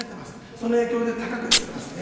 その影響で高くなってますね。